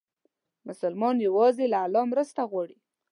مسلمان یوازې له الله مرسته غواړي.